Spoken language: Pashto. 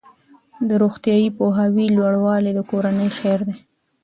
د روغتیايي پوهاوي لوړوالی د کورنۍ خیر دی.